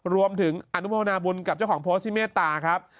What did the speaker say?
รวมถึงอนุโมนาบุญกับเจ้าของโพสต์ที่เมตตาครับ